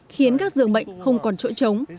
khiến các dưỡng bệnh không còn chỗ chống